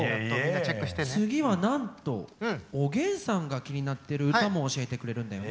次はなんとおげんさんが気になってる歌も教えてくれるんだよね。